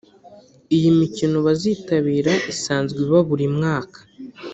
Iyi mikino bazitabira isanzwe iba buri mwaka